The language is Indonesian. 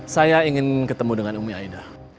saya ingin ketemu dengan umi aida